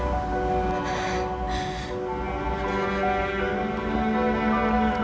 hati aku sakit mama